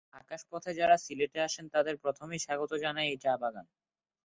আকাশপথে যারা সিলেটে আসেন তাদের প্রথমেই স্বাগত জানায় এই চা-বাগান।